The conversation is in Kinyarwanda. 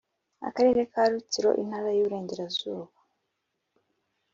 Akarere ka Rutsiro Intara y Iburengerazuba